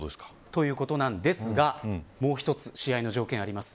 ということなんですがもう一つ試合の条件があります。